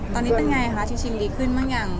ตอนนี้เป็นไงคะชิคกี้พายดีขึ้นไหม